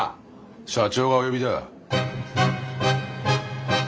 社長がお呼びだ。